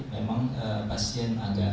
memang pasien agak gemam ya